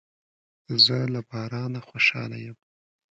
زه له بارانه خوشاله یم.